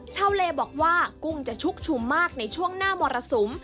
เลบอกว่ากุ้งจะชุกชุมมากในช่วงหน้ามรสุม